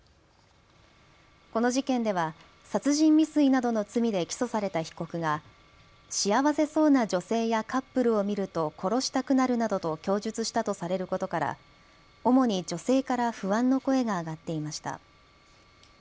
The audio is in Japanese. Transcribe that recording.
この事件では殺人未遂などの罪で起訴された被告が幸せそうな女性やカップルを見ると殺したくなるなどと供述したとされることから主に女性から不安の声が上がっていました。